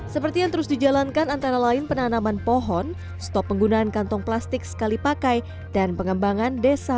seperti yang terus dijalankan antara lain penanaman pohon stop penggunaan kantong plastik sekali pakai dan pengembangan desa